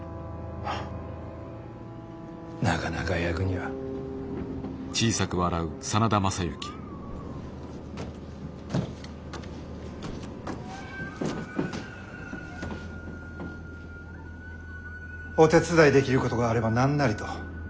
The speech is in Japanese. ハッなかなか役には。お手伝いできることがあれば何なりと。